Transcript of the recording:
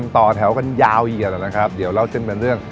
แถวกันยาวอีกอันแล้วนะครับเดี๋ยวเล่าเส้นเป็นเรื่อง